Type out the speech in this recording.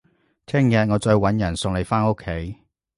聽日我再搵人送你返屋企